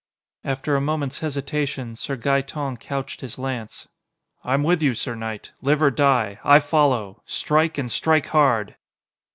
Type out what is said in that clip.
After a moment's hesitation, Sir Gaeton couched his lance. "I'm with you, sir knight! Live or die, I follow! Strike and strike hard!"